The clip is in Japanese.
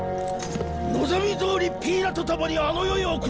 望みどおりピイナと共にあの世へ送ってやる！